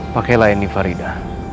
pakailah ini farida